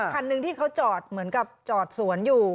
คันหนึ่งที่เขาจอดเหมือนกับจอดสวนอยู่